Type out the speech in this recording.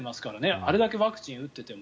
あれだけワクチンを打っていても。